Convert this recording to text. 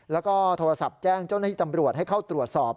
แล้วก็โทรศัพท์แจ้งเจ้าหน้าที่ตำรวจให้เข้าตรวจสอบ